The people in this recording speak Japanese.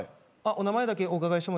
お名前だけお伺いしても。